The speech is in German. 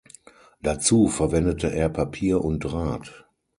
Dazu verwendete er Papier und Draht.